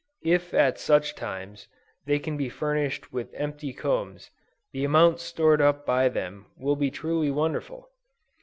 If at such times, they can be furnished with empty combs, the amount stored up by them, will be truly wonderful.